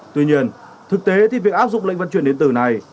tuy nhiên thực tế thì việc áp dụng lệnh vận chuyển điện tử này